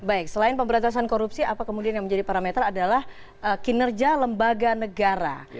baik selain pemberantasan korupsi apa kemudian yang menjadi parameter adalah kinerja lembaga negara